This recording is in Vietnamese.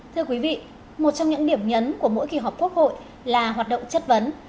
thưa quý vị một trong những điểm nhấn của mỗi kỳ họp quốc hội là hoạt động chất vấn